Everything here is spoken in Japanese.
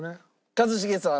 一茂さん。